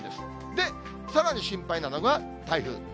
で、さらに心配なのが、台風。